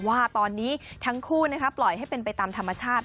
ว่าตอนนี้ทั้งคู่ปล่อยให้เป็นไปตามธรรมชาติ